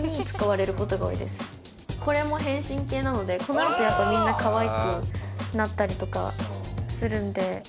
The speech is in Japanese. これも変身系なのでこの後みんなかわいくなったりとかするんで。